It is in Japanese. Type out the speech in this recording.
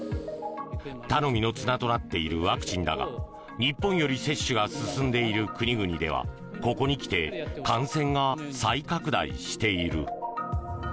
頼みの綱となっているワクチンだが日本より接種が進んでいる国々ではここに来て感染が再拡大している。